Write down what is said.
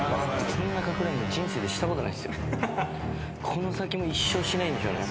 この先も一生しないんでしょうね。